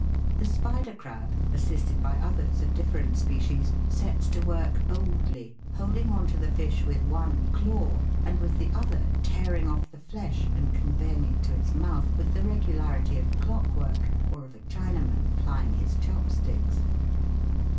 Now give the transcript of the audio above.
The Spider crab, assisted by others of different species, sets to work boldly, holding on to the fish with one claw and with the other tearing off the flesh and conveying it to its mouth with the regularity of clockwork, or of a Chinaman plying his chopsticks.